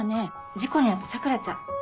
事故に遭った桜ちゃん。